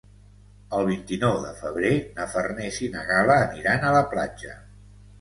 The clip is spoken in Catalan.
El vint-i-nou de febrer na Farners i na Gal·la aniran a la platja.